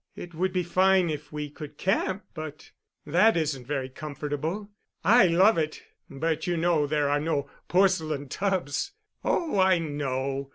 It would be fine if we could camp—but that isn't very comfortable. I love it. But you know there are no porcelain tubs——" "Oh, I know.